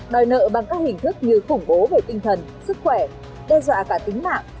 đòi nợ bằng các hình thức như khủng bố về tinh thần sức khỏe đe dọa cả tính mạng